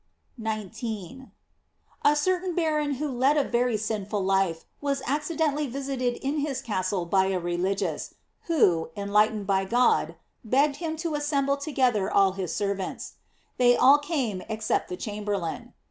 * 19. — A certain baron who led a very sinful life was accidentally visited in his castle by a re* ligious, who, enlightened by God, begged him to assemble together all his servants. They all came except the chamberlain.